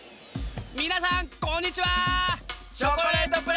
みなさんこんにちは！